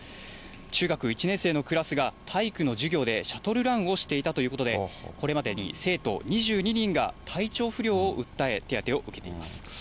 中学１年生のクラスが体育の授業でシャトルランをしていたということで、これまでに生徒２２人が体調不良を訴え手当てを受けています。